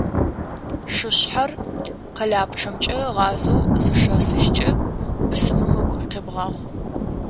Шышъхьэр къэлапчъэмкӏэ ыгъазэу зышэсыжькӏэ, бысымым ыгу къебгъагъ.